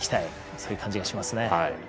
そういう感じがします。